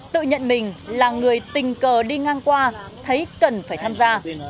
tự nhận mình là người tình cờ đi ngang qua thấy cần phải tham gia